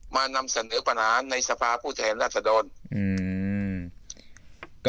มานำเสนือปัญหาในสะพาผู้แทนรัฐธรรม